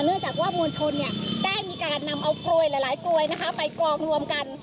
เนื่องจากว่ามวลชนได้มีการนำเอากลวยหลายกลวยไปกองรวมกัน